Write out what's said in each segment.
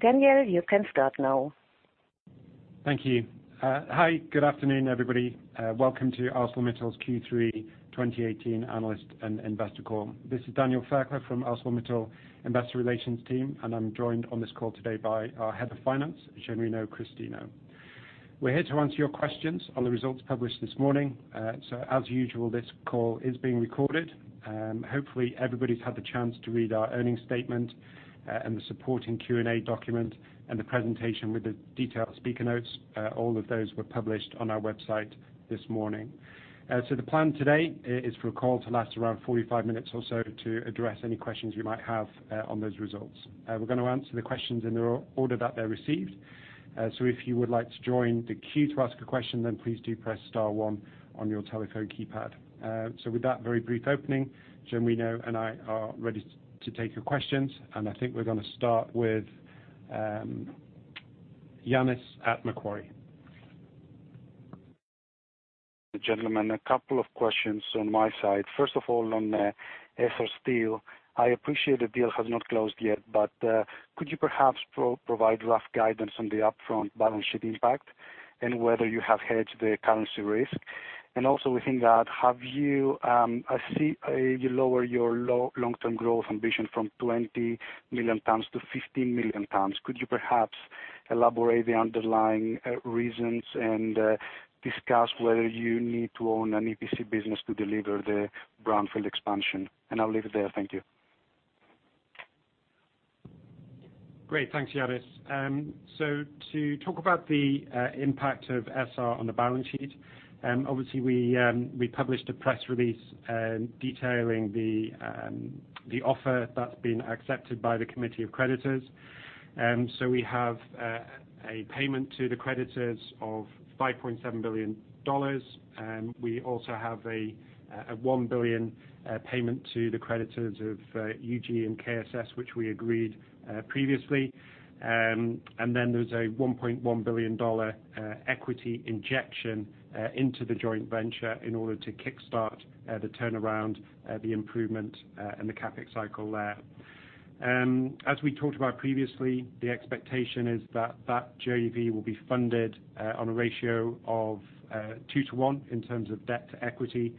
Daniel, you can start now. Thank you. Hi, good afternoon, everybody. Welcome to ArcelorMittal's Q3 2018 analyst and investor call. This is Daniel Fairclough from ArcelorMittal Investor Relations team, and I'm joined on this call today by our Head of Finance, Genuino Christino. We're here to answer your questions on the results published this morning. As usual, this call is being recorded. Hopefully, everybody's had the chance to read our earnings statement and the supporting Q&A document and the presentation with the detailed speaker notes. All of those were published on our website this morning. The plan today is for a call to last around 45 minutes or so to address any questions you might have on those results. We're going to answer the questions in the order that they're received. If you would like to join the queue to ask a question, please do press star one on your telephone keypad. With that very brief opening, Genuino and I are ready to take your questions, and I think we're going to start with Yannis at Macquarie. Gentlemen, a couple of questions on my side. First of all, on Essar Steel, I appreciate the deal has not closed yet, but could you perhaps provide rough guidance on the upfront balance sheet impact and whether you have hedged the currency risk? Also with that, I see you lower your long-term growth ambition from 20 million tons to 15 million tons. Could you perhaps elaborate the underlying reasons and discuss whether you need to own an EPC business to deliver the brownfield expansion? I'll leave it there. Thank you. Great. Thanks, Yannis. To talk about the impact of Essar on the balance sheet, obviously we published a press release detailing the offer that's been accepted by the committee of creditors. We have a payment to the creditors of $5.7 billion. We also have a $1 billion payment to the creditors of UG and KSS, which we agreed previously. Then there's a $1.1 billion equity injection into the joint venture in order to kickstart the turnaround, the improvement, and the CapEx cycle there. As we talked about previously, the expectation is that that JV will be funded on a ratio of 2 to 1 in terms of debt to equity.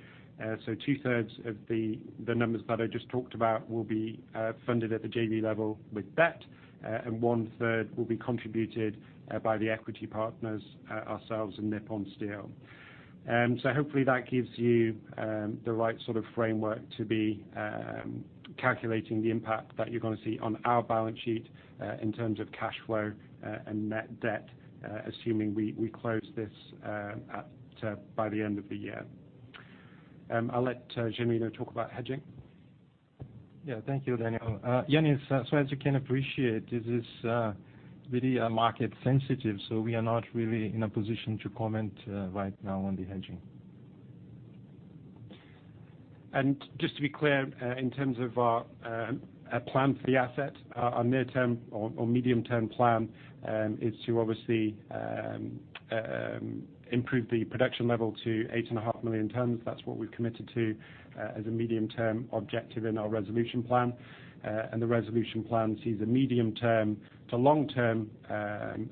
Two-thirds of the numbers that I just talked about will be funded at the JV level with debt, and one-third will be contributed by the equity partners, ourselves and Nippon Steel. Hopefully that gives you the right sort of framework to be calculating the impact that you're going to see on our balance sheet in terms of cash flow and net debt, assuming we close this by the end of the year. I'll let Genuino talk about hedging. Yeah, thank you, Daniel. Yannis, as you can appreciate, this is really market sensitive, we are not really in a position to comment right now on the hedging. Just to be clear, in terms of our plan for the asset, our near term or medium term plan is to obviously improve the production level to 8.5 million tons. That's what we've committed to as a medium term objective in our resolution plan. The resolution plan sees a medium term to long-term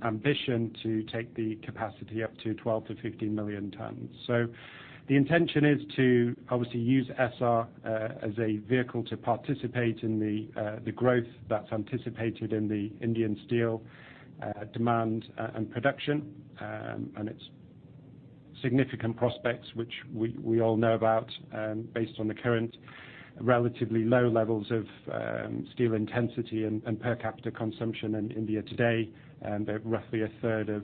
ambition to take the capacity up to 12 million-15 million tons. The intention is to obviously use Essar as a vehicle to participate in the growth that's anticipated in the Indian steel demand and production, and its significant prospects, which we all know about based on the current relatively low levels of steel intensity and per capita consumption in India today. They're roughly a third of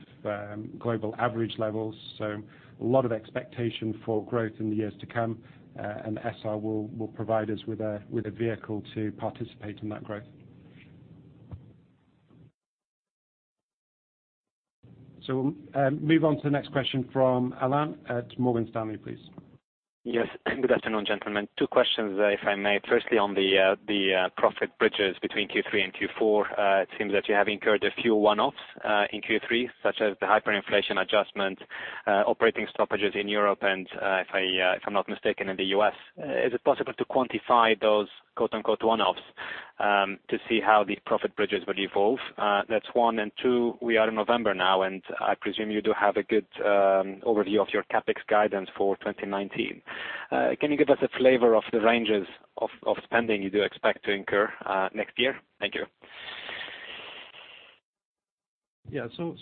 global average levels. A lot of expectation for growth in the years to come, and Essar will provide us with a vehicle to participate in that growth. Move on to the next question from Alain at Morgan Stanley, please. Yes. Good afternoon, gentlemen. Two questions, if I may. Firstly, on the profit bridges between Q3 and Q4. It seems that you have incurred a few one-offs in Q3, such as the hyperinflation adjustment, operating stoppages in Europe, and if I'm not mistaken, in the U.S. Is it possible to quantify those quote, unquote, "one-offs" to see how these profit bridges will evolve? That's one. Two, we are in November now, and I presume you do have a good overview of your CapEx guidance for 2019. Can you give us a flavor of the ranges of spending you do expect to incur next year? Thank you.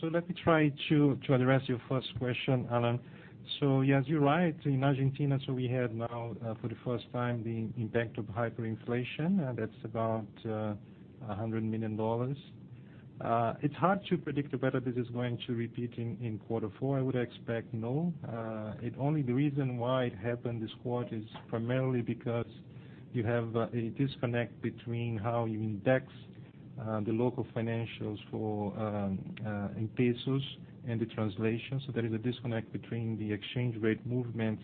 Let me try to address your first question, Alan. Yes, you're right. In Argentina, we had now for the first time the impact of hyperinflation, that's about $100 million. It's hard to predict whether this is going to repeat in quarter four. I would expect no. Only the reason why it happened this quarter is primarily because you have a disconnect between how you index the local financials in pesos and the translation. There is a disconnect between the exchange rate movements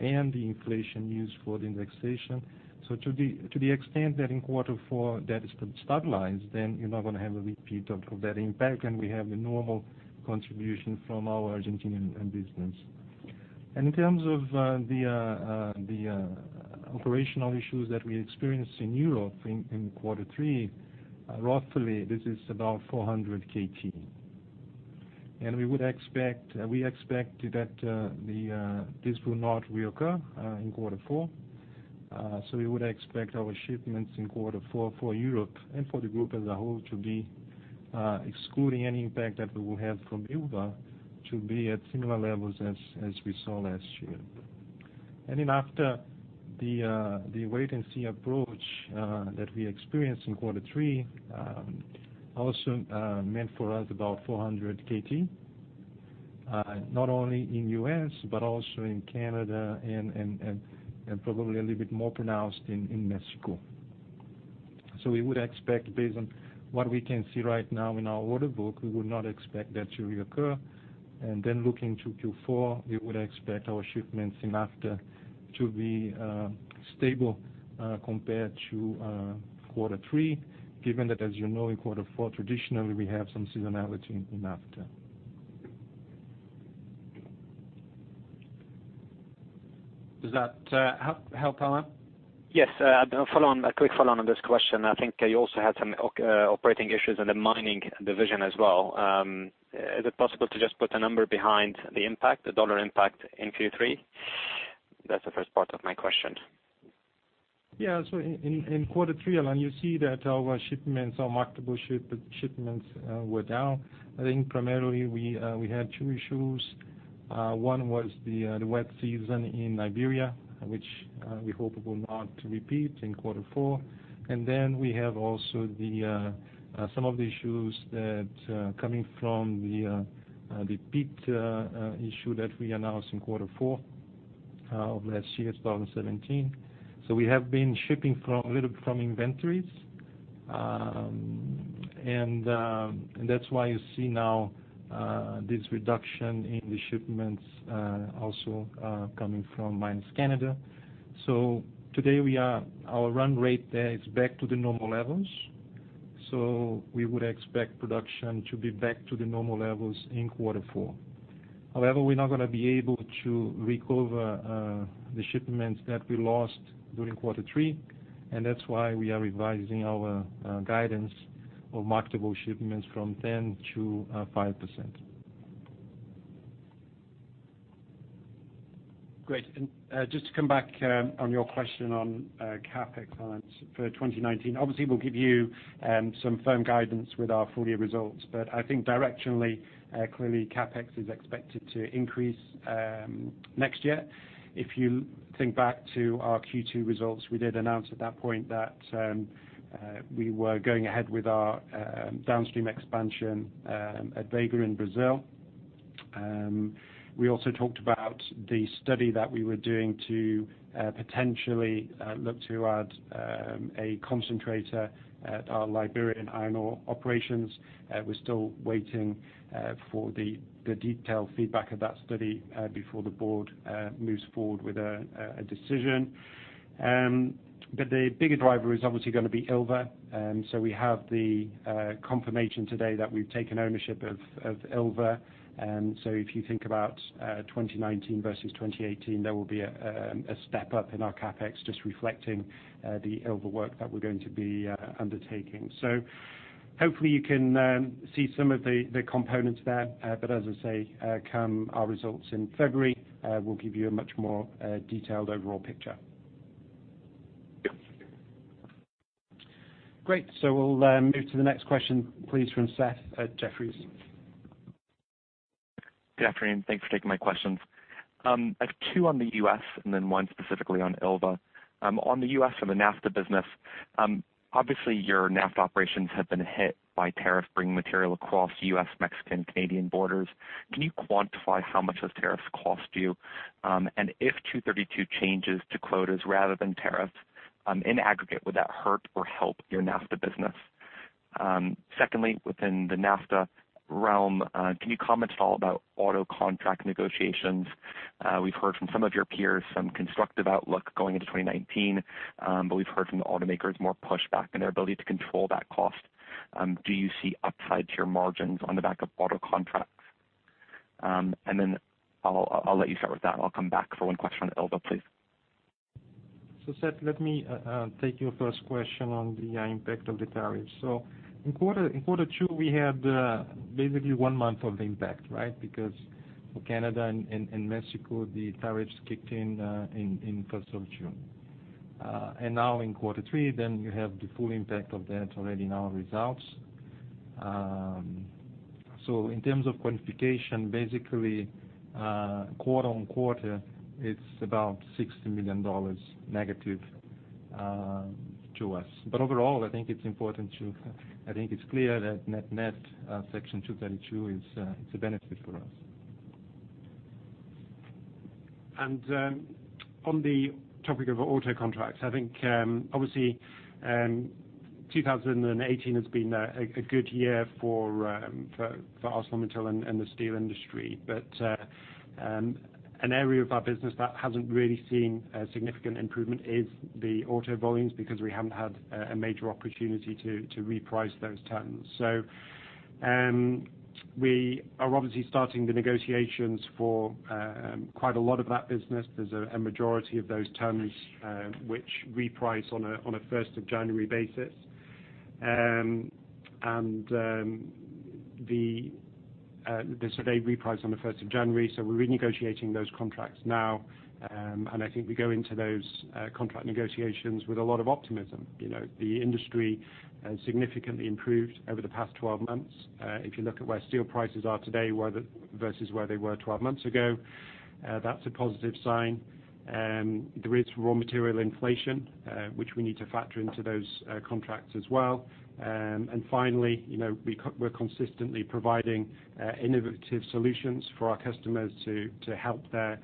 and the inflation used for the indexation. To the extent that in quarter four that stabilized, then you're not going to have a repeat of that impact, and we have a normal contribution from our Argentinian business. In terms of the operational issues that we experienced in Europe in quarter three, roughly this is about 400 KT. We expect that this will not reoccur in quarter four. We would expect our shipments in quarter four for Europe, and for the group as a whole, excluding any impact that we will have from Ilva, to be at similar levels as we saw last year. In NAFTA the wait-and-see approach that we experienced in quarter three, also meant for us about 400 KT, not only in U.S., but also in Canada and probably a little bit more pronounced in Mexico. We would expect, based on what we can see right now in our order book, we would not expect that to reoccur. Looking to Q4, we would expect our shipments in NAFTA to be stable compared to quarter three, given that, as you know, in quarter four, traditionally, we have some seasonality in NAFTA. Does that help, Alain? Yes. A quick follow-on on this question. I think you also had some operating issues in the mining division as well. Is it possible to just put a number behind the impact, the dollar impact in Q3? That's the first part of my question. In quarter three, Alain, you see that our marketable shipments were down. Primarily we had two issues. One was the wet season in Liberia, which we hope it will not repeat in quarter four. We have also some of the issues that coming from the pit issue that we announced in quarter four of last year, 2017. We have been shipping a little from inventories. That's why you see now this reduction in the shipments also coming from Mines Canada. Today our run rate is back to the normal levels. We would expect production to be back to the normal levels in quarter four. However, we're not going to be able to recover the shipments that we lost during quarter three, and that's why we are revising our guidance of marketable shipments from 10%-5%. Great. Just to come back on your question on CapEx plans for 2019. Obviously, we'll give you some firm guidance with our full-year results. I think directionally, clearly CapEx is expected to increase next year. If you think back to our Q2 results, we did announce at that point that we were going ahead with our downstream expansion at Vega in Brazil. We also talked about the study that we were doing to potentially look to add a concentrator at our Liberian iron ore operations. We're still waiting for the detailed feedback of that study before the board moves forward with a decision. The bigger driver is obviously going to be Ilva. We have the confirmation today that we've taken ownership of Ilva. If you think about 2019 versus 2018, there will be a step-up in our CapEx, just reflecting the Ilva work that we're going to be undertaking. Hopefully you can see some of the components there. As I say, come our results in February, we'll give you a much more detailed overall picture. Great. We'll move to the next question, please, from Seth at Jefferies. Good afternoon. Thanks for taking my questions. I have two on the U.S., then one specifically on Ilva. On the U.S., on the NAFTA business. Obviously, your NAFTA operations have been hit by tariff bringing material across U.S., Mexican, Canadian borders. Can you quantify how much those tariffs cost you? If 232 changes to quotas rather than tariffs, in aggregate, would that hurt or help your NAFTA business? Secondly, within the NAFTA realm, can you comment at all about auto contract negotiations? We've heard from some of your peers some constructive outlook going into 2019, but we've heard from the automakers more pushback in their ability to control that cost. Do you see upside to your margins on the back of auto contracts? Then I'll let you start with that, and I'll come back for one question on Ilva, please. Seth, let me take your first question on the impact of the tariffs. In quarter two, we had basically one month of impact, right? Because for Canada and Mexico, the tariffs kicked in in first of June. Now in quarter three, then you have the full impact of that already in our results. In terms of quantification, basically quarter on quarter, it's about $60 million negative to us. Overall, I think it's clear that net Section 232 is a benefit for us. On the topic of auto contracts, I think obviously 2018 has been a good year for ArcelorMittal and the steel industry. An area of our business that hasn't really seen a significant improvement is the auto volumes because we haven't had a major opportunity to reprice those tons. We are obviously starting the negotiations for quite a lot of that business. There's a majority of those tons which reprice on a 1st of January basis. They survey reprice on the 1st of January, we're renegotiating those contracts now. I think we go into those contract negotiations with a lot of optimism. The industry has significantly improved over the past 12 months. If you look at where steel prices are today versus where they were 12 months ago, that's a positive sign. There is raw material inflation, which we need to factor into those contracts as well. Finally, we're consistently providing innovative solutions for our customers to help them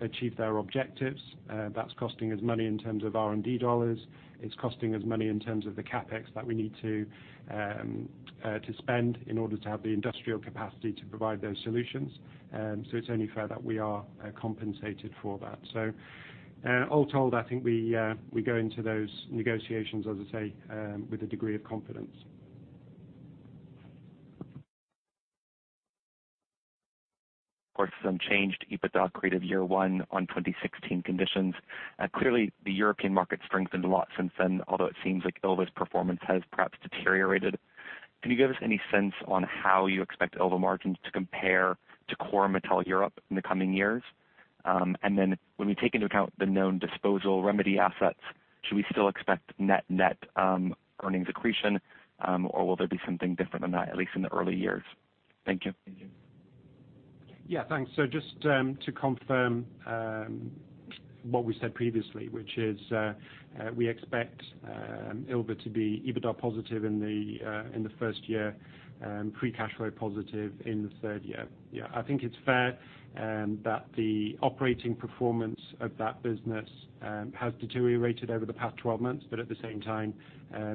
achieve their objectives. That's costing us money in terms of R&D dollars. It's costing us money in terms of the CapEx that we need to spend in order to have the industrial capacity to provide those solutions. It's only fair that we are compensated for that. All told, I think we go into those negotiations, as I say, with a degree of confidence. Forecast unchanged EBITDA accretive year one on 2016 conditions. Clearly, the European market strengthened a lot since then, although it seems like Ilva's performance has perhaps deteriorated. Can you give us any sense on how you expect Ilva margins to compare to core ArcelorMittal Europe in the coming years? Then when we take into account the known disposal remedy assets, should we still expect net net earnings accretion, or will there be something different than that, at least in the early years? Thank you. Yeah, thanks. Just to confirm what we said previously, which is we expect Ilva to be EBITDA positive in the first year, free cash flow positive in the third year. I think it's fair that the operating performance of that business has deteriorated over the past 12 months, at the same time,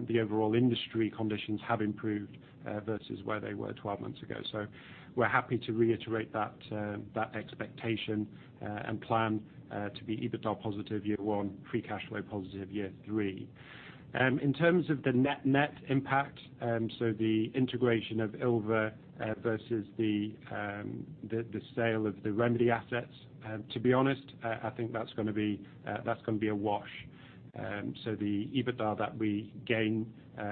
the overall industry conditions have improved versus where they were 12 months ago. We're happy to reiterate that expectation and plan to be EBITDA positive year one, free cash flow positive year three. In terms of the net net impact, the integration of Ilva versus the sale of the remedy assets, to be honest, I think that's going to be a wash. The EBITDA that we gain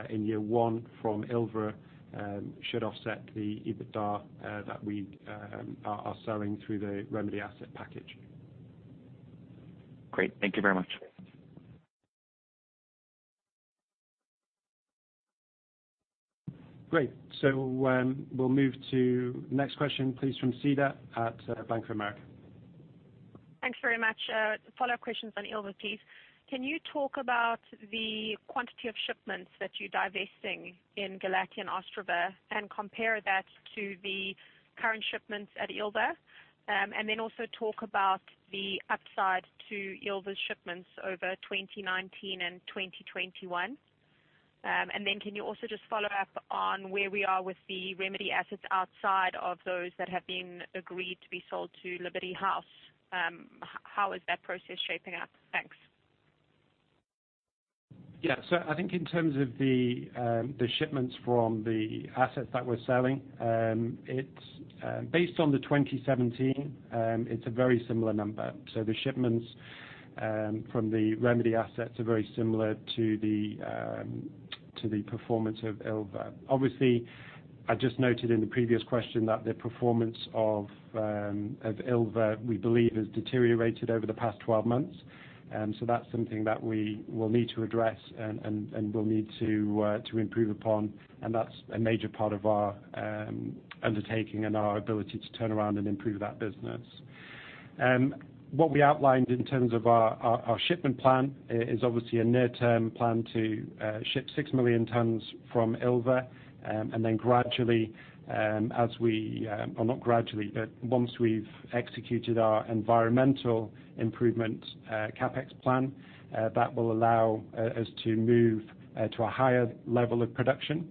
in year one from Ilva should offset the EBITDA that we are selling through the remedy asset package. Great. Thank you very much. Great. We'll move to next question, please, from Sida at Bank of America. Thanks very much. Follow-up questions on Ilva, please. Can you talk about the quantity of shipments that you're divesting in Galati and Ostrava and compare that to the current shipments at Ilva? Also talk about the upside to Ilva's shipments over 2019 and 2021. Can you also just follow up on where we are with the remedy assets outside of those that have been agreed to be sold to Liberty House? How is that process shaping up? Thanks. Yeah. I think in terms of the shipments from the assets that we're selling, based on the 2017, it's a very similar number. The shipments from the remedy assets are very similar to the performance of Ilva. Obviously, I just noted in the previous question that the performance of Ilva, we believe, has deteriorated over the past 12 months. That's something that we will need to address and will need to improve upon. That's a major part of our undertaking and our ability to turn around and improve that business. What we outlined in terms of our shipment plan is obviously a near-term plan to ship 6 million tons from Ilva, and then gradually or not gradually, but once we've executed our environmental improvement CapEx plan, that will allow us to move to a higher level of production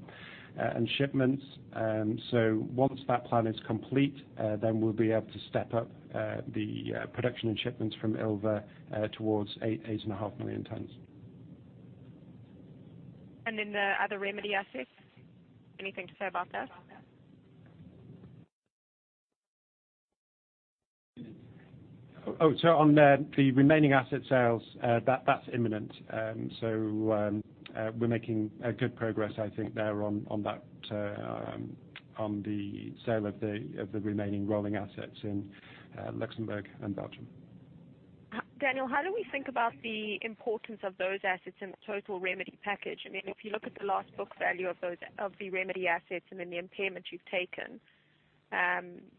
and shipments. Once that plan is complete, then we'll be able to step up the production and shipments from Ilva towards eight, 8.5 million tons. The other remedy assets, anything to say about that? On the remaining asset sales, that's imminent. We're making good progress, I think, there on the sale of the remaining rolling assets in Luxembourg and Belgium. Daniel, how do we think about the importance of those assets in the total remedy package? I mean, if you look at the last book value of the remedy assets, the impairment you've taken,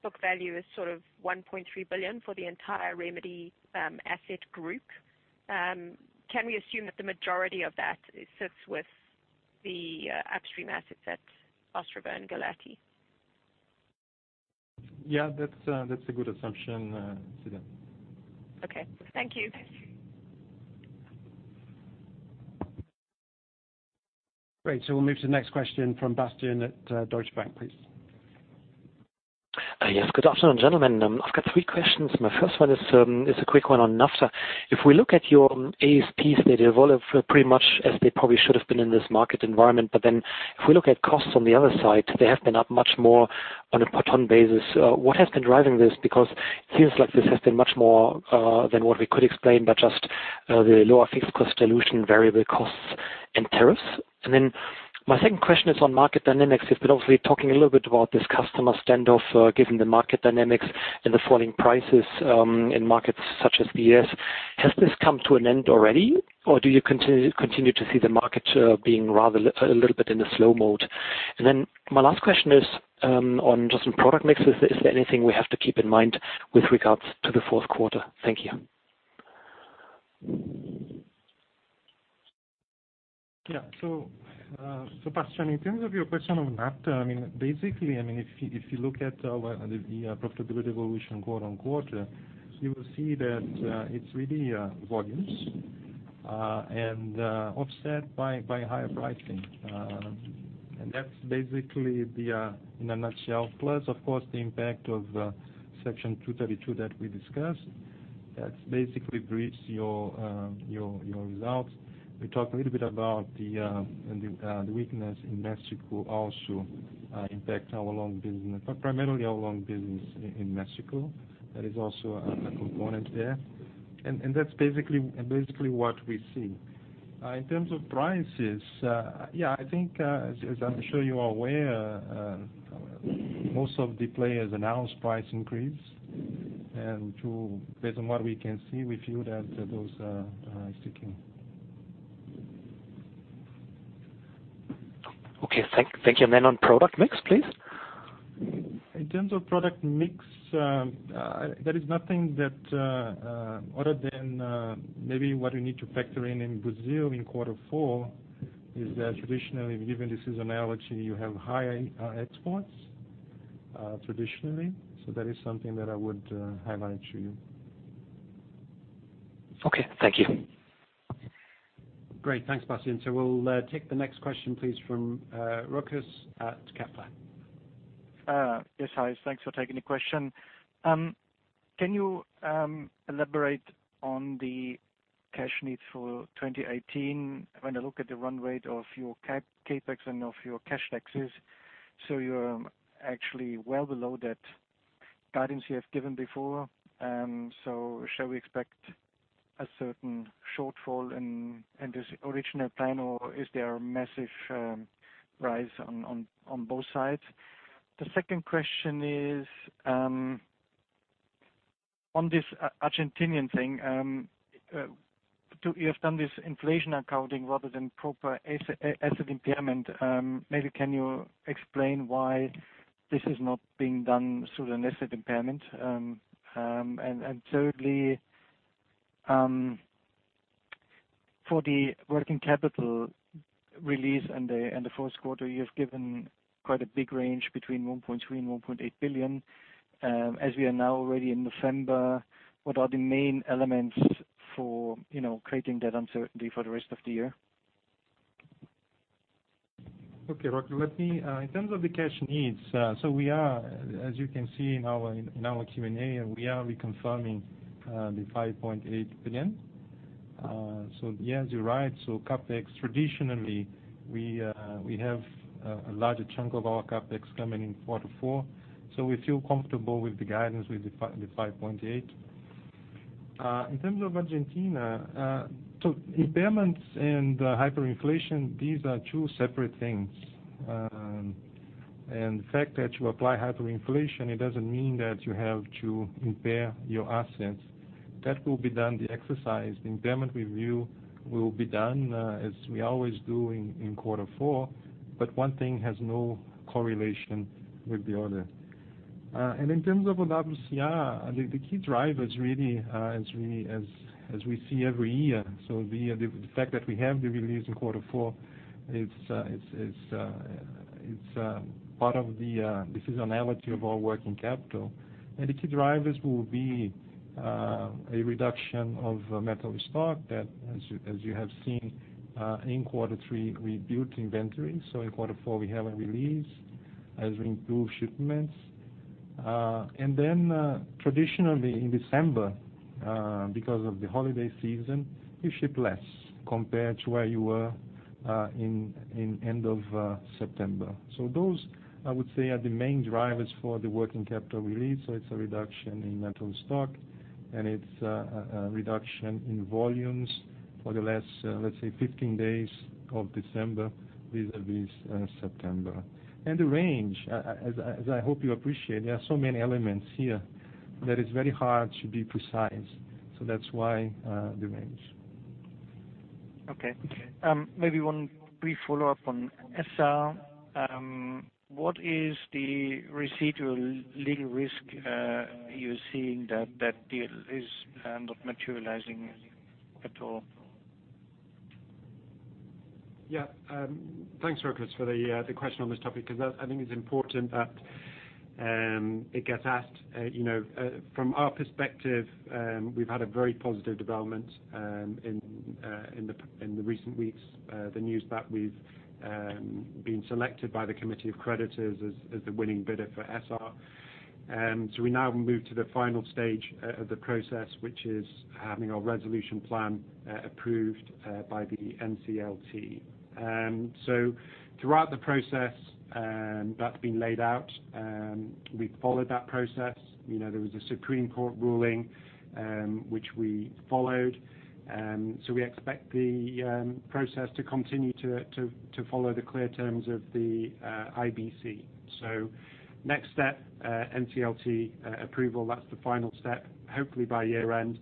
book value is sort of $1.3 billion for the entire remedy asset group. Can we assume that the majority of that sits with the upstream assets at Ostrava and Galati? Yeah, that's a good assumption, Sida. Okay. Thank you. Great. We'll move to the next question from Bastian at Deutsche Bank, please. Yes. Good afternoon, gentlemen. I've got three questions. My first one is a quick one on NAFTA. If we look at your ASPs, they develop pretty much as they probably should have been in this market environment. If we look at costs on the other side, they have been up much more on a per ton basis. What has been driving this? Because it seems like this has been much more than what we could explain by just the lower fixed cost dilution, variable costs, and tariffs. My second question is on market dynamics. You've been obviously talking a little bit about this customer standoff, given the market dynamics and the falling prices in markets such as the U.S. Has this come to an end already, or do you continue to see the market being rather a little bit in the slow mode? My last question is on just some product mix. Is there anything we have to keep in mind with regards to the fourth quarter? Thank you. Bastian, in terms of your question on NAFTA, basically, if you look at the profitability evolution quarter-on-quarter, you will see that it's really volumes and offset by higher pricing. That's basically in a nutshell. Plus, of course, the impact of Section 232 that we discussed. That basically briefs your results. We talked a little bit about the weakness in Mexico also impact primarily our long business in Mexico. That is also a component there. That's basically what we see. In terms of prices, yeah, I think, as I'm sure you are aware, most of the players announced price increase. Based on what we can see, we feel that those are sticking. Okay. Thank you. Then on product mix, please. In terms of product mix, there is nothing, other than maybe what we need to factor in in Brazil in quarter four, is that traditionally, given the seasonality, you have higher exports traditionally. That is something that I would highlight to you. Okay. Thank you. Great. Thanks, Bastian. We'll take the next question, please, from Rokas at Kepler. Yes, hi. Thanks for taking the question. Can you elaborate on the cash needs for 2018? When I look at the run rate of your CapEx and of your cash taxes, you're actually well below that guidance you have given before. Shall we expect a certain shortfall in this original plan, or is there a massive rise on both sides? The second question is on this Argentinian thing. You have done this inflation accounting rather than proper asset impairment. Maybe can you explain why this is not being done through an asset impairment? Thirdly, for the working capital release in the fourth quarter, you have given quite a big range between $1.3 billion and $1.8 billion. As we are now already in November, what are the main elements for creating that uncertainty for the rest of the year? Okay, Rokas. In terms of the cash needs, we are, as you can see in our Q&A, we are reconfirming the $5.8 billion. Yeah, you're right. CapEx, traditionally, we have a larger chunk of our CapEx coming in quarter four, we feel comfortable with the guidance with the $5.8 billion. In terms of Argentina, impairments and hyperinflation, these are two separate things. The fact that you apply hyperinflation, it doesn't mean that you have to impair your assets. That will be done, the exercise, the impairment review will be done as we always do in quarter four, but one thing has no correlation with the other. In terms of WCR, the key driver is really, as we see every year, the fact that we have the release in quarter four, it's part of the seasonality of our working capital. The key drivers will be a reduction of metal stock that, as you have seen in quarter three, we built inventory. In quarter four, we have a release as we improve shipments. Traditionally in December, because of the holiday season, you ship less compared to where you were in end of September. Those, I would say, are the main drivers for the working capital release. It's a reduction in metal stock, and it's a reduction in volumes for the last, let's say, 15 days of December vis-à-vis September. The range, as I hope you appreciate, there are so many elements here that it's very hard to be precise. That's why the range. Okay. Maybe one brief follow-up on Essar. What is the residual legal risk you're seeing that deal is not materializing at all? Yeah. Thanks, Rokas, for the question on this topic, because I think it's important that it gets asked. From our perspective, we've had a very positive development in the recent weeks, the news that we've been selected by the committee of creditors as the winning bidder for Essar. We now move to the final stage of the process, which is having our resolution plan approved by the NCLT. Throughout the process that's been laid out, we've followed that process. There was a Supreme Court ruling, which we followed. We expect the process to continue to follow the clear terms of the IBC. Next step, NCLT approval. That's the final step, hopefully by year-end.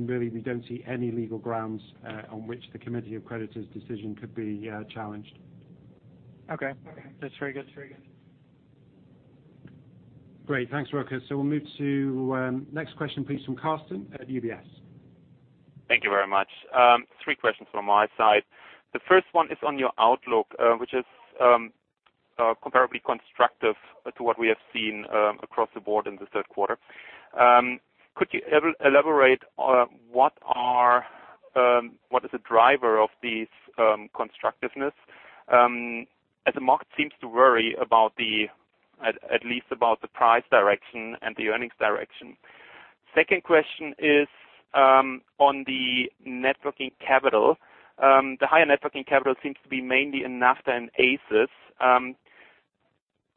Really, we don't see any legal grounds on which the committee of creditors' decision could be challenged. Okay. That's very good. Great. Thanks, Rokas. We'll move to next question, please, from Carsten at UBS. Thank you very much. Three questions from my side. The first one is on your outlook, which is comparably constructive to what we have seen across the board in the third quarter. Could you elaborate, what is the driver of this constructiveness? As the market seems to worry at least about the price direction and the earnings direction. Second question is on the net working capital. The higher net working capital seems to be mainly in NAFTA and ACIS.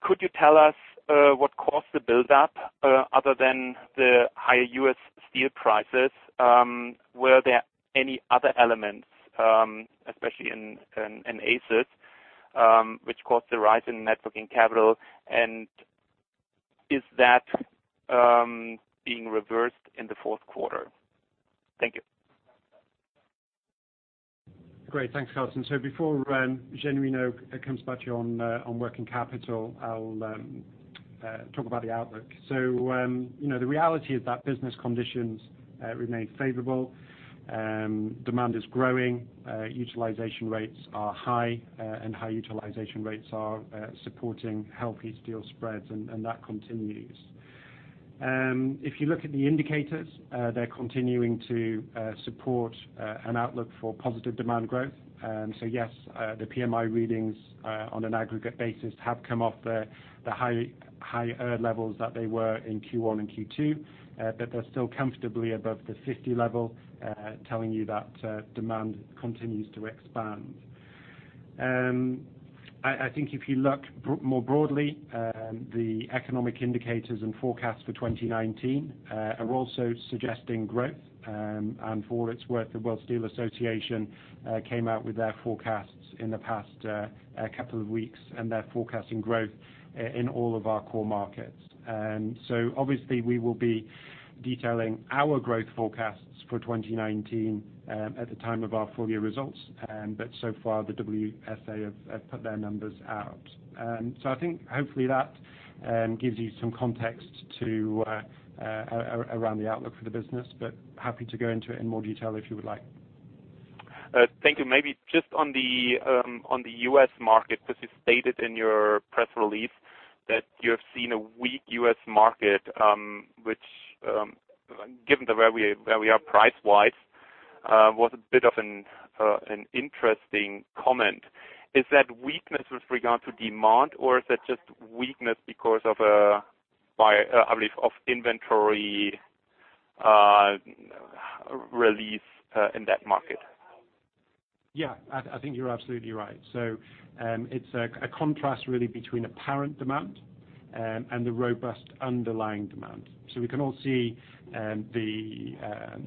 Could you tell us what caused the buildup other than the higher U.S. steel prices? Were there any other elements, especially in ACIS, which caused the rise in net working capital? And is that being reversed in the fourth quarter? Thank you. Great. Thanks, Carsten. Before Genuino comes back to you on working capital, I'll talk about the outlook. The reality is that business conditions remain favorable. Demand is growing. Utilization rates are high, and high utilization rates are supporting healthy steel spreads, and that continues. If you look at the indicators, they're continuing to support an outlook for positive demand growth. Yes, the PMI readings on an aggregate basis have come off the high levels that they were in Q1 and Q2. But they're still comfortably above the 50 level, telling you that demand continues to expand. I think if you look more broadly, the economic indicators and forecasts for 2019 are also suggesting growth. For what it's worth, the World Steel Association came out with their forecasts in the past couple of weeks, and they're forecasting growth in all of our core markets. Obviously we will be detailing our growth forecasts for 2019 at the time of our full year results, but so far the WSA have put their numbers out. I think hopefully that gives you some context around the outlook for the business, but happy to go into it in more detail if you would like. Thank you. Maybe just on the U.S. market, because you stated in your press release that you have seen a weak U.S. market, which, given where we are price-wise, was a bit of an interesting comment. Is that weakness with regard to demand, or is it just weakness because of inventory relief in that market? Yeah, I think you're absolutely right. It's a contrast really between apparent demand and the robust underlying demand. We can all see the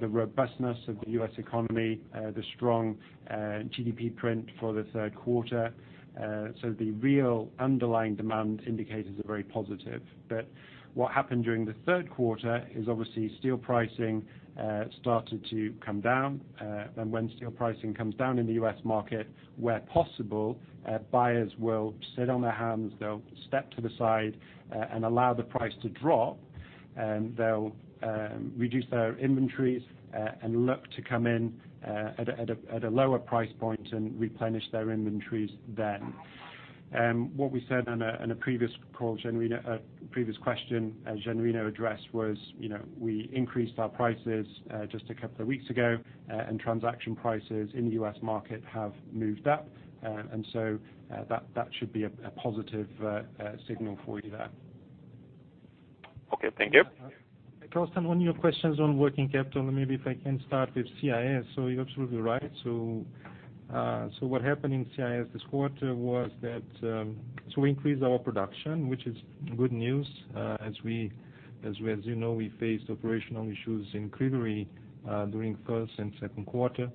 robustness of the U.S. economy, the strong GDP print for the third quarter. The real underlying demand indicators are very positive. What happened during the third quarter is obviously steel pricing started to come down, and when steel pricing comes down in the U.S. market, where possible, buyers will sit on their hands. They'll step to the side and allow the price to drop. They'll reduce their inventories and look to come in at a lower price point and replenish their inventories then. What we said in a previous question Genuino addressed was, we increased our prices just a couple of weeks ago, and transaction prices in the U.S. market have moved up. That should be a positive signal for you there. Okay, thank you. Carsten, on your questions on working capital, maybe if I can start with CIS. You're absolutely right. What happened in CIS this quarter was that we increased our production, which is good news. As you know, we faced operational issues in Kryvyi Rih during first and second quarter.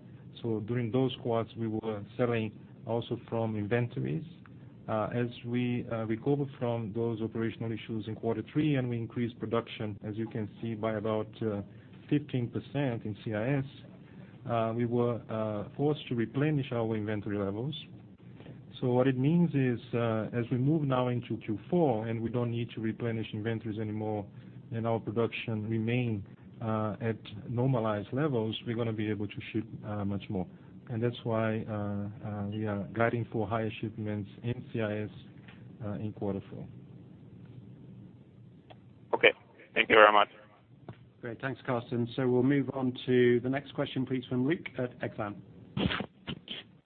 During those quarters, we were selling also from inventories. As we recover from those operational issues in quarter three and we increased production, as you can see, by about 15% in CIS, we were forced to replenish our inventory levels. What it means is, as we move now into Q4 and we don't need to replenish inventories anymore and our production remain at normalized levels, we're going to be able to ship much more. That's why we are guiding for higher shipments in CIS in quarter four. Okay. Thank you very much. Great. Thanks, Carsten. We'll move on to the next question, please, from Rick at Eggklam.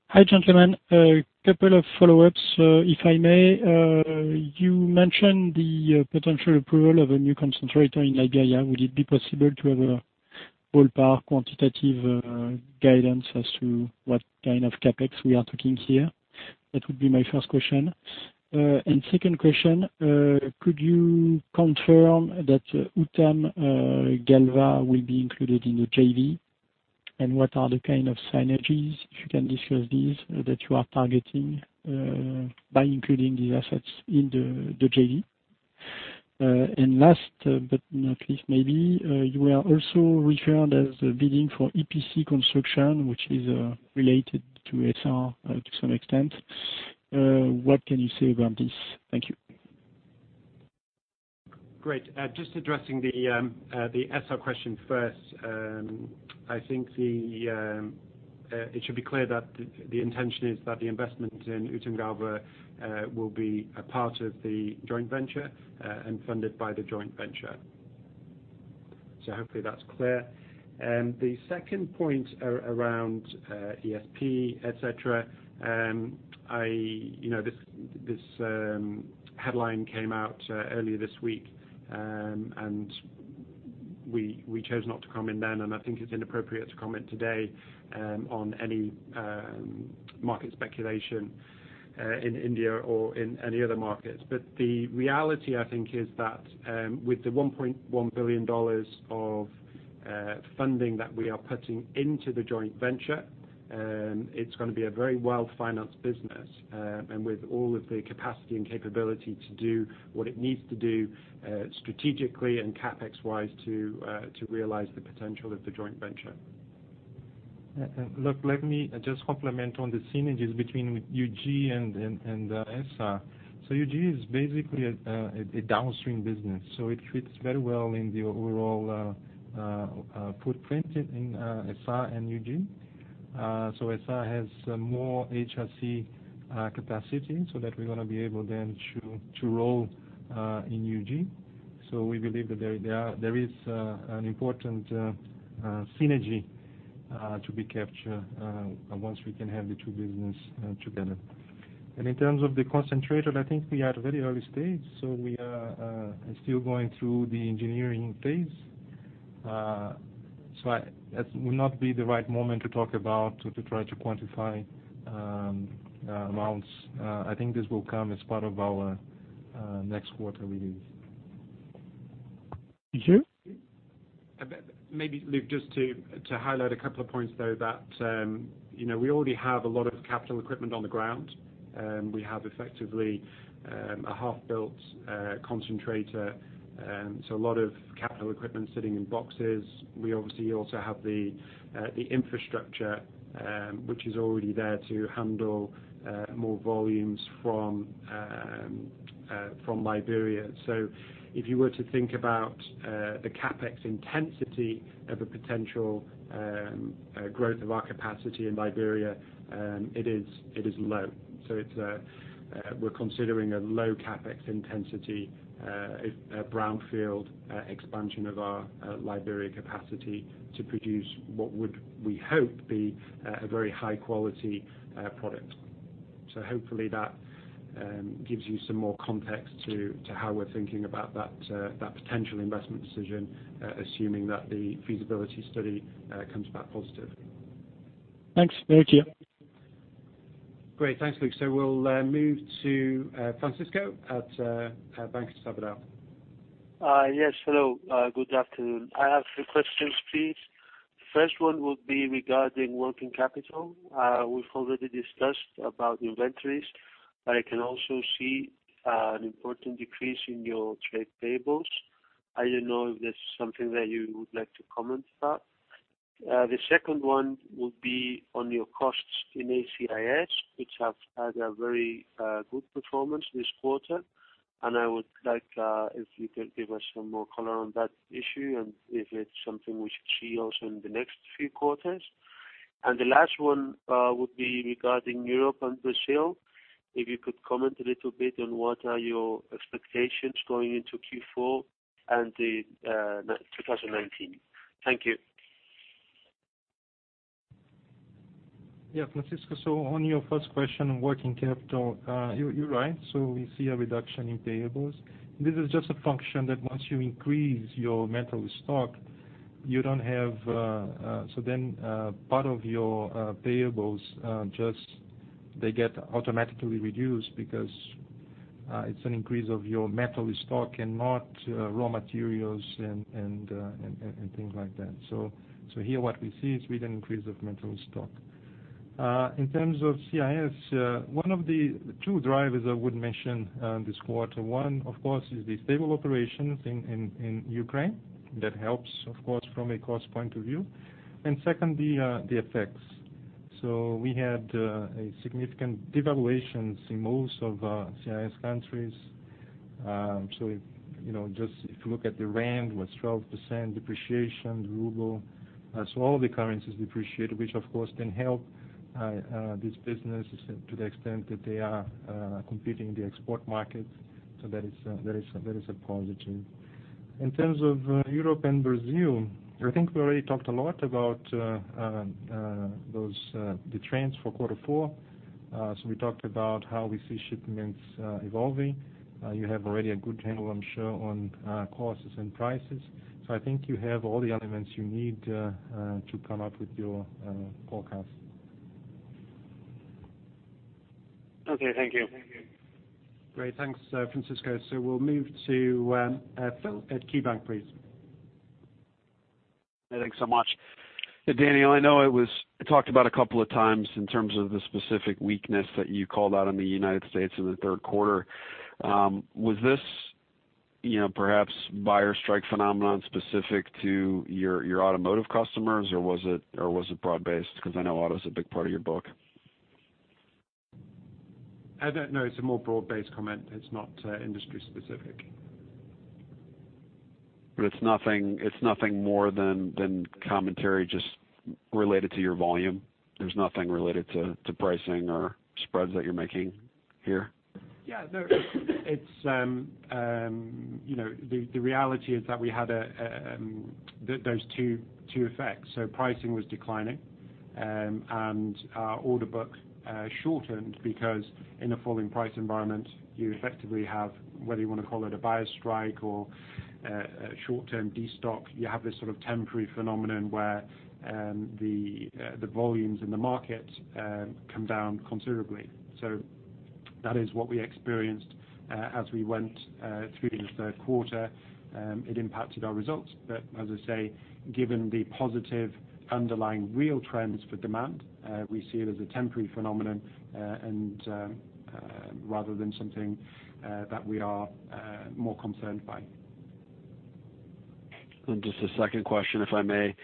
Hi, gentlemen. A couple of follow-ups, if I may. You mentioned the potential approval of a new concentrator in Liberia. Would it be possible to have a ballpark quantitative guidance as to what kind of CapEx we are talking here? That would be my first question. Second question, could you confirm that Uttam Galva will be included in the JV? What are the kind of synergies, if you can discuss these, that you are targeting by including these assets in the JV? Last, but not least, maybe, you were also referred as bidding for EPC construction, which is related to Essar to some extent. What can you say about this? Thank you. Great. Just addressing the Essar question first. I think it should be clear that the intention is that the investment in Uttam Galva will be a part of the joint venture, and funded by the joint venture. Hopefully that's clear. The second point around ESP, et cetera, this headline came out earlier this week. We chose not to comment then, I think it's inappropriate to comment today on any market speculation in India or in any other markets. The reality, I think, is that with the $1.1 billion of funding that we are putting into the joint venture, it's going to be a very well-financed business. With all of the capacity and capability to do what it needs to do strategically and CapEx-wise to realize the potential of the joint venture. Look, let me just complement on the synergies between UG and Essar. UG is basically a downstream business, so it fits very well in the overall footprint in Essar and UG. Essar has more HRC capacity, so that we're going to be able to roll in UG. We believe that there is an important synergy to be captured once we can have the two business together. In terms of the concentrator, I think we are at a very early stage, so we are still going through the engineering phase. It would not be the right moment to talk about or to try to quantify amounts. I think this will come as part of our next quarter review. Thank you. Maybe, Rick, just to highlight a couple of points, though, that we already have a lot of capital equipment on the ground. We have effectively a half-built concentrator, so a lot of capital equipment sitting in boxes. We obviously also have the infrastructure, which is already there to handle more volumes from Liberia. If you were to think about the CapEx intensity of a potential growth of our capacity in Liberia, it is low. We're considering a low CapEx intensity, a brownfield expansion of our Liberia capacity to produce what would we hope be a very high-quality product. Hopefully that gives you some more context to how we're thinking about that potential investment decision, assuming that the feasibility study comes back positive. Thanks. Thank you. Great. Thanks, Rick. We'll move to Francisco at Banco Sabadell. Yes, hello. Good afternoon. I have three questions, please. First one would be regarding working capital. We've already discussed about inventories, but I can also see an important decrease in your trade payables. I don't know if that's something that you would like to comment about. The second one would be on your costs in ACIS, which have had a very good performance this quarter, and I would like if you can give us some more color on that issue and if it's something we should see also in the next few quarters. The last one would be regarding Europe and Brazil. If you could comment a little bit on what are your expectations going into Q4 and 2019. Thank you. Yeah, Francisco, on your first question, working capital, you're right. We see a reduction in payables. This is just a function that once you increase your metal stock, part of your payables, they get automatically reduced because it's an increase of your metal stock and not raw materials and things like that. Here what we see is with an increase of metal stock. In terms of CIS, one of the two drivers I would mention this quarter, one, of course, is the stable operations in Ukraine. That helps, of course, from a cost point of view. Second, the effects. We had a significant devaluations in most of CIS countries. If you look at the rand, was 12% depreciation, the ruble. All the currencies depreciate, which, of course, then help these businesses to the extent that they are competing in the export markets. That is a positive. In terms of Europe and Brazil, I think we already talked a lot about the trends for quarter four. We talked about how we see shipments evolving. You have already a good handle, I'm sure, on costs and prices. I think you have all the elements you need to come up with your forecast. Okay. Thank you. Great. Thanks, Francisco. We'll move to Phil at KeyBank, please. Thanks so much. Daniel, I know it was talked about a couple of times in terms of the specific weakness that you called out in the United States in the third quarter. Was this perhaps buyer strike phenomenon specific to your automotive customers, or was it broad-based? I know auto's a big part of your book. No, it's a more broad-based comment. It's not industry specific. It's nothing more than commentary just related to your volume? There's nothing related to pricing or spreads that you're making here? The reality is that we had those two effects. Pricing was declining, and our order book shortened because in a falling price environment, you effectively have, whether you want to call it a buyer strike or a short-term destock, you have this sort of temporary phenomenon where the volumes in the market come down considerably. That is what we experienced as we went through the third quarter. It impacted our results. As I say, given the positive underlying real trends for demand, we see it as a temporary phenomenon rather than something that we are more concerned by. Just a second question, if I may.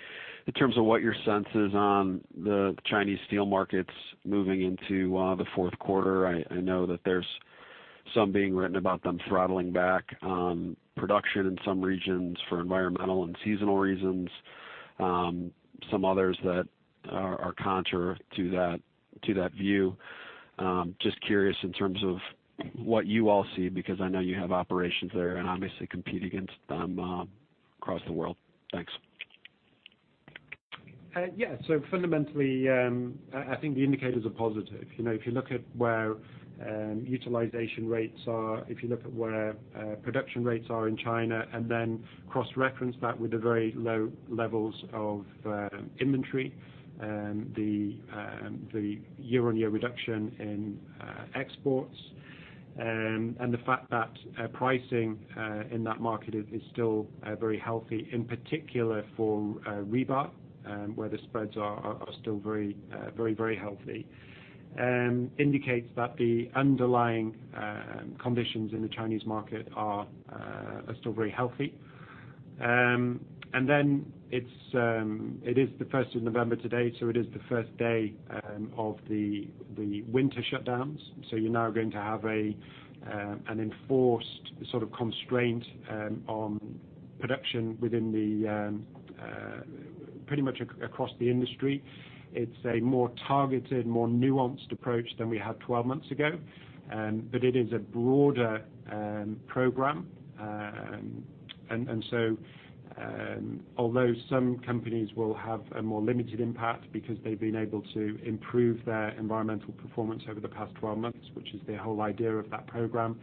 In terms of what your sense is on the Chinese steel markets moving into the fourth quarter. I know that there's some being written about them throttling back production in some regions for environmental and seasonal reasons. Some others that are counter to that view. Just curious in terms of what you all see, because I know you have operations there and obviously compete against them across the world. Thanks. Fundamentally, I think the indicators are positive. If you look at where utilization rates are, if you look at where production rates are in China, cross-reference that with the very low levels of inventory, the year-on-year reduction in exports, and the fact that pricing in that market is still very healthy, in particular for rebar where the spreads are still very healthy, indicates that the underlying conditions in the Chinese market are still very healthy. It is the 1st of November today, it is the first day of the winter shutdowns. You're now going to have an enforced sort of constraint on production pretty much across the industry. It's a more targeted, more nuanced approach than we had 12 months ago. It is a broader program. Although some companies will have a more limited impact because they've been able to improve their environmental performance over the past 12 months, which is the whole idea of that program.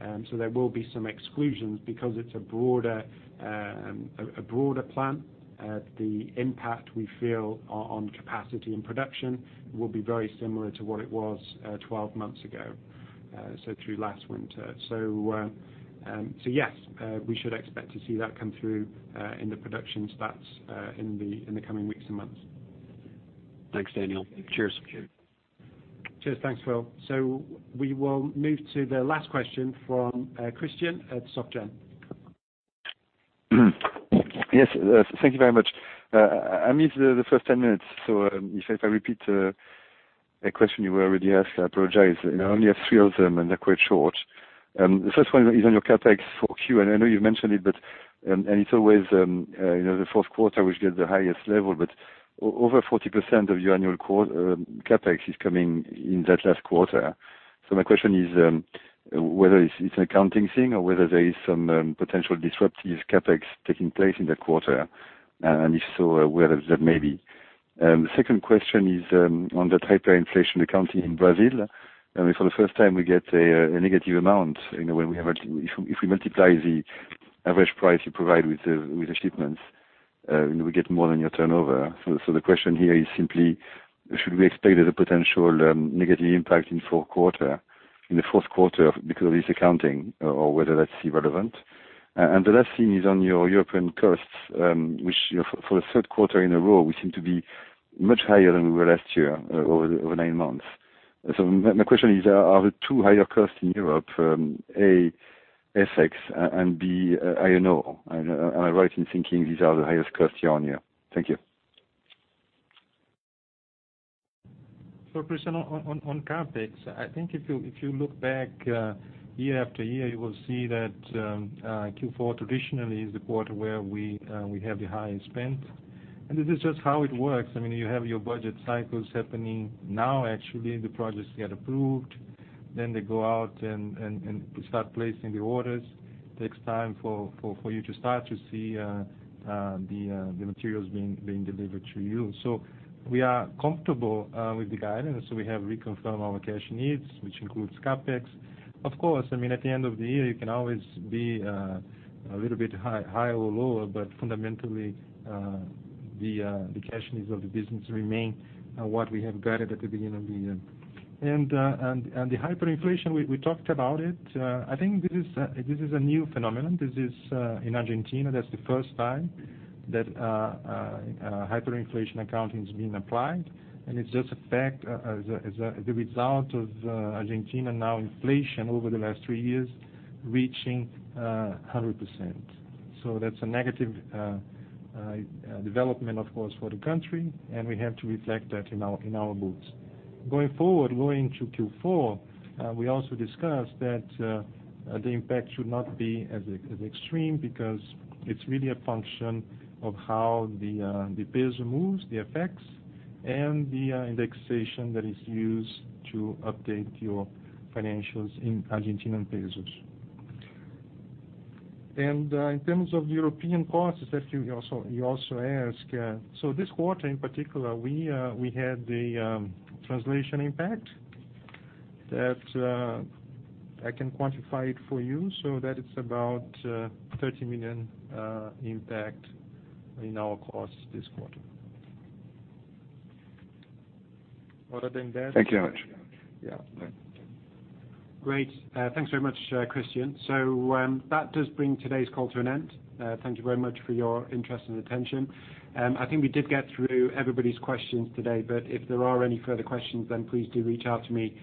There will be some exclusions because it's a broader plan. The impact we feel on capacity and production will be very similar to what it was 12 months ago, through last winter. Yes, we should expect to see that come through in the production stats in the coming weeks and months. Thanks, Daniel. Cheers. Cheers. Thanks, Phil. We will move to the last question from Christian at SocGen. Yes. Thank you very much. I missed the first 10 minutes, if I repeat a question you already asked, I apologize. I only have three of them, and they're quite short. The first one is on your CapEx for Q. I know you've mentioned it, and it's always the fourth quarter which is at the highest level. Over 40% of your annual CapEx is coming in that last quarter. My question is whether it's an accounting thing or whether there is some potential diEssaruptive CapEx taking place in the quarter, and if so, where that may be. The second question is on the hyperinflation accounting in Brazil. For the first time, we get a negative amount. If we multiply the average price you provide with the shipments, we get more than your turnover. The question here is simply, should we expect a potential negative impact in the fourth quarter because of this accounting, or whether that's irrelevant? The last thing is on your European costs, which for the third quarter in a row, we seem to be much higher than we were last year over nine months. My question is, are the two higher costs in Europe, A, ETS and, B, Iron Ore? Am I right in thinking these are the highest costs year-on-year? Thank you. Christian, on CapEx, I think if you look back year-on-year, you will see that Q4 traditionally is the quarter where we have the highest spend. This is just how it works. You have your budget cycles happening now, actually. The projects get approved. Then they go out and start placing the orders. Takes time for you to start to see the materials being delivered to you. We are comfortable with the guidance. We have reconfirmed our cash needs, which includes CapEx. Of course, at the end of the year, you can always be a little bit higher or lower, but fundamentally, the cash needs of the business remain what we have guided at the beginning of the year. The hyperinflation, we talked about it. I think this is a new phenomenon. This is in Argentina. That's the first time that hyperinflation accounting is being applied, and it's just a fact as a result of Argentina now inflation over the last three years reaching 100%. That's a negative development, of course, for the country, and we have to reflect that in our books. Going forward, going to Q4, we also discussed that the impact should not be as extreme because it's really a function of how the peso moves, the effects, and the indexation that is used to update your financials in Argentinian pesos. In terms of European costs, that you also asked. This quarter in particular, we had the translation impact that I can quantify it for you so that it's about $30 million impact in our costs this quarter. Thank you very much yeah. Great. Thanks very much, Christian. That does bring today's call to an end. Thank you very much for your interest and attention. I think we did get through everybody's questions today, but if there are any further questions, then please do reach out to me,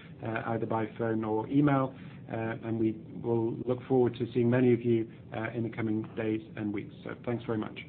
either by phone or email, and we will look forward to seeing many of you in the coming days and weeks. Thanks very much.